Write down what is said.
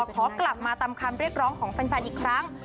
ขอกลับมาตามคำเรียกร้องของแฟนอีกครั้ง